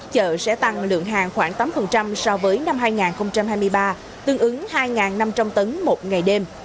chợ sẽ tăng lượng hàng khoảng tám so với năm hai nghìn hai mươi ba tương ứng hai năm trăm linh tấn một ngày đêm